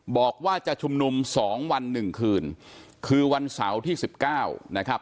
บอกว่าจะชุมหนุ่ม๒วัน๑คืนคือวันเสาร์ที่๑๙นะครับ